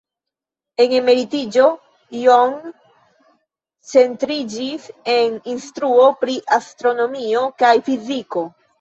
En emeritiĝo, John centriĝis en instruo pri astronomio kaj fiziko.